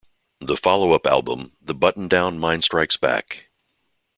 The follow-up album, The Button-Down Mind Strikes Back!